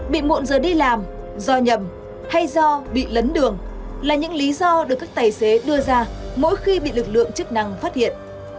bị muộn giờ đi làm do nhầm hay do bị lấn đường là những lý do được các tài xế đưa ra mỗi khi bị lực lượng chức năng phát hiện